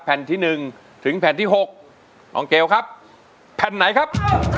แผ่นที่๑ถึงแผ่นที่๖น้องเกลครับแผ่นไหนครับ